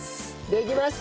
できました！